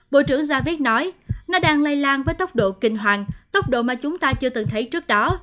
bộ trưởng jav nói nó đang lây lan với tốc độ kinh hoàng tốc độ mà chúng ta chưa từng thấy trước đó